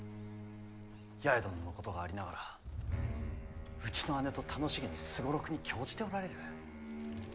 八重殿のことがありながらうちの姉と楽しげに双六に興じておられる。